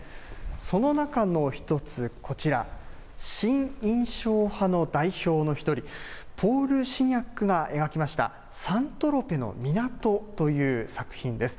その中の一つ、こちら、新印象派の代表の１人、ポール・シニャックが描きました、サン・トロペの港という作品です。